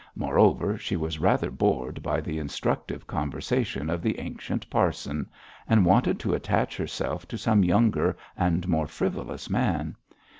Moreover, she was rather bored by the instructive conversation of the ancient parson, and wanted to attach herself to some younger and more frivolous man.